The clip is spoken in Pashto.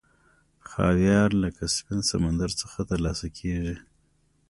خاویار له کسپین سمندر څخه ترلاسه کیږي.